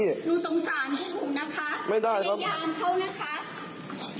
นี่ลูศลงศานด้วยผมนะคะ